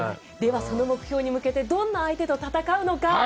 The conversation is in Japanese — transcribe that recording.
その目標に向けてどんな相手と戦うのか。